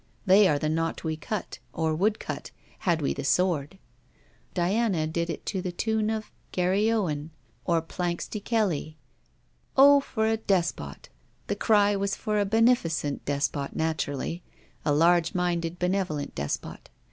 They are the knot we cut; or would cut, had we the sword. Diana did it to the tune of Garryowen or Planxty Kelly. O for a despot! The cry was for a beneficent despot, naturally: a large minded benevolent despot.